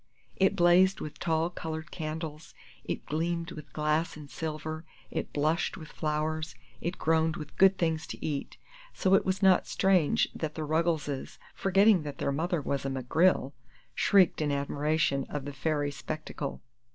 It blazed with tall colored candles, it gleamed with glass and silver, it blushed with flowers, it groaned with good things to eat; so it was not strange that the Ruggleses, forgetting that their mother was a McGrill, shrieked in admiration of the fairy spectacle.